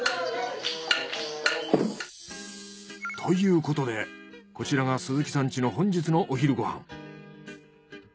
ということでこちらが鈴木さん家の本日のお昼ご飯。